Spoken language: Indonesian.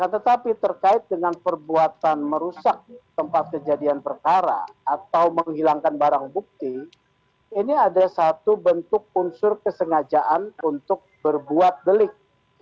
tetapi terkait dengan perbuatan merusak tempat kejadian perkara atau menghilangkan barang bukti ini ada satu bentuk unsur kesengajaan untuk berbuat delik